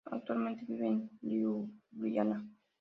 Actualmente vive en Liubliana.